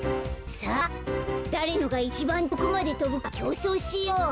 さあだれのがいちばんとおくまでとぶかきょうそうしよう。